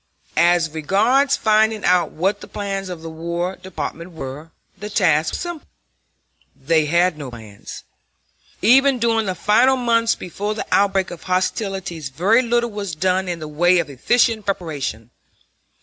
As regards finding out what the plans of the War Department were, the task was simple. They had no plans. Even during the final months before the outbreak of hostilities very little was done in the way of efficient preparation.